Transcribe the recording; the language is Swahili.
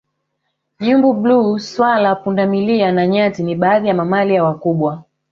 Nyumbu bluu swala punda milia na nyati ni baadhi ya mamalia wakubwa